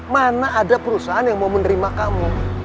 mana ada perusahaan yang mau menerima kamu